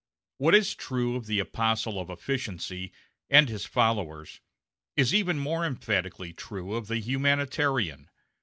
What is true of the apostle of efficiency, and his followers, is even more emphatically true of the humanitarian.